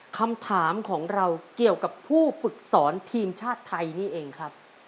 คำถามของเราเกี่ยวกับผู้ฝึกสอนทีมชาติไทยนี่เองครับ